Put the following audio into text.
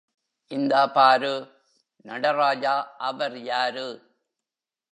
இந்தா பாரு நடராஜா அவர் யாரு?